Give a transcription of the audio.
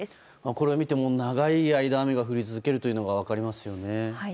これを見ても、長い間雨が降り続けるということが分かりますよね。